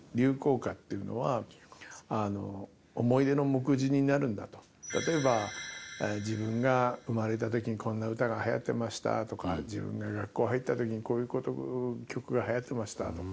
元々は例えば自分が生まれた時にこんな歌が流行ってましたとか自分が学校入った時にこういう曲が流行ってましたとか。